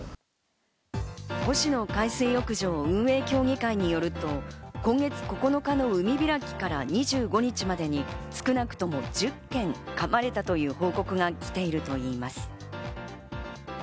越廼海水浴場運営協議会によりますと、今月９日の海開きから２５日までに少なくとも１０件、かまれたという報告が来ているといいます。